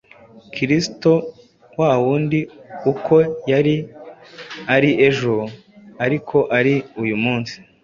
Kristo wa wundi uko yari ari ejo ari ko ari uyu munsi